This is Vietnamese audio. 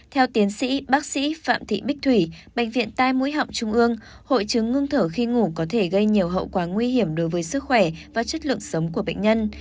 theo tiến sĩ bác sĩ phạm thị bích thủy bệnh viện tai mũi họng trung ương hội chứng ngưng thở khi ngủ có thể gây nhiều hậu quả nguy hiểm đối với sức khỏe và chất lượng sống của bệnh nhân